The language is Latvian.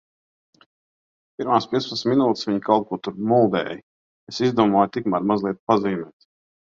Pirmās piecpadsmit minūtes viņi kaut ko tur muldēja. Es izdomāju tikmēr mazliet pazīmēt.